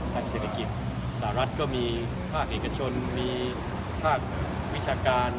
เศรษฐกิจสหรัฐก็มีภาคเอกชนมีภาควิชาการ